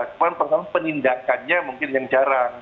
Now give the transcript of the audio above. kemudian pertama penindakannya mungkin yang jarang